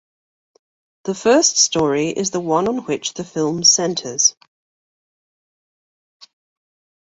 The first story is the one on which the film centers.